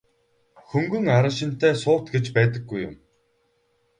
Хөнгөн араншинтай суут гэж байдаггүй юм.